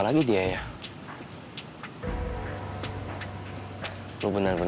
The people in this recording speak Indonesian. gak ada yang mau dhink internet